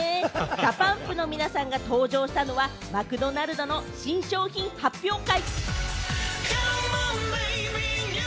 ＤＡＰＵＭＰの皆さんが登場したのは、マクドナルドの新商品発表会。